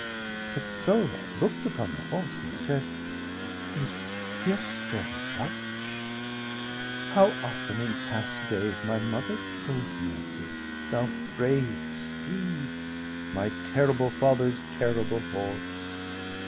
740 But Sohrab look'd upon the horse and said: "Is this, then, Ruksh? How often, in past days, My mother told me of thee, thou brave steed, My terrible father's terrible horse!